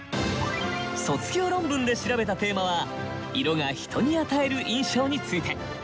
卒業論文で調べたテーマは「色が人に与える印象」について。